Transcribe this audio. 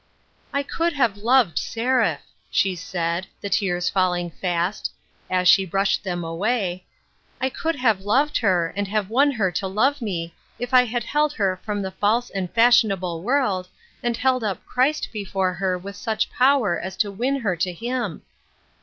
" I could have loved Seraph," she said, the tears 258 TRANSFORMATION. falling fast ; as she brushed them away, " I could have loved her, and have won her to love me, if I had held her from the false and fashionable world, and held up Christ before her with such power as to win her to him."